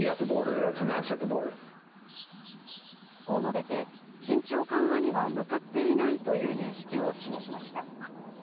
こう述べて、緊張緩和には向かっていないという認識を示しました。